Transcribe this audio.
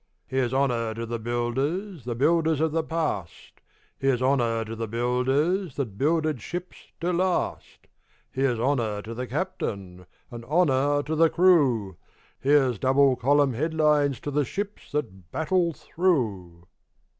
Here's honour to the builders – The builders of the past; Here's honour to the builders That builded ships to last; Here's honour to the captain, And honour to the crew; Here's double column headlines To the ships that battle through.